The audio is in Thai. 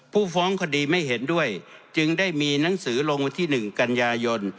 ผู้ฟ้องคดีไม่เห็นด้วยจึงได้มีหนังสือลงวันที่๑กันยายน